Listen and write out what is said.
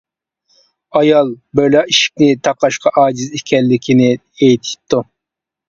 ئايال بىرلا ئىشىكنى تاقاشقا ئاجىز ئىكەنلىكىنى ئېيتىپتۇ.